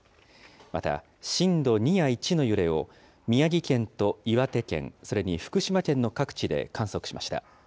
また、震度２や１の揺れを、宮城県と岩手県、それに福島県の各地で観測しました。